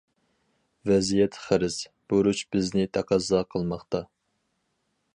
ۋەزىيەت، خىرىس، بۇرچ بىزنى تەقەززا قىلماقتا.